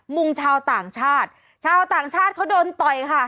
งงชาวต่างชาติชาวต่างชาติเขาโดนต่อยค่ะ